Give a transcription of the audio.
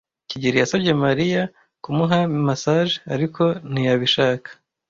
kigeli yasabye Mariya kumuha massage, ariko ntiyabishaka.